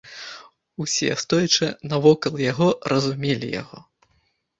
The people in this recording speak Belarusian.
Усе, стоячы навокал яго, разумелі яго.